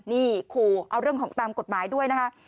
นี่ขู่เอาเรื่องของตามกฎหมายด้วยนะคะ